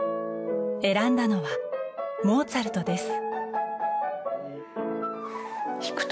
選んだのはモーツァルトです。